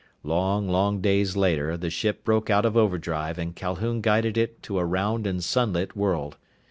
Long, long days later the ship broke out of overdrive and Calhoun guided it to a round and sunlit world.